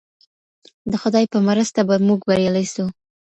د خدای په مرسته به موږ بریالي سو.